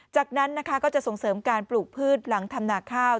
จากนั้นนะคะก็จะส่งเสริมการปลูกพืชหลังทำนาข้าว